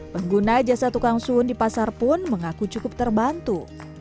pengguna jasa tukang sun di pasar pun mengaku cukup terbantu